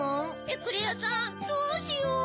エクレアさんどうしよう。